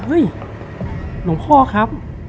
เห้ยลุงพ่อครับ